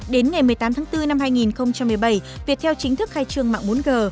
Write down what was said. đến ngày một mươi tám bốn hai nghìn một mươi bảy việt theo chính thức khai trường mạng bốn g